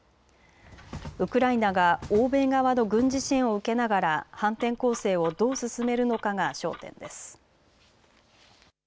ウクライナが欧米側の軍事支援を受けながら反転攻勢をどう進めるのかが焦点です。